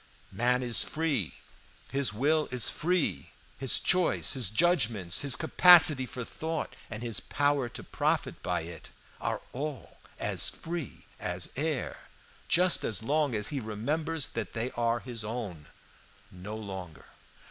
"Man is free, his will is free, his choice, his judgments, his capacity for thought, and his power to profit by it are all as free as air, just so long as he remembers that they are his own no longer.